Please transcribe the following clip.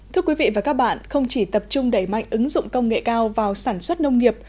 thưa quý vị và các bạn không chỉ tập trung đẩy mạnh ứng dụng công nghệ cao vào sản xuất nông nghiệp